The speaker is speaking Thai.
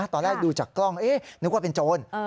ตอนแรกดูจากกล้องนึกว่าเป็นโจร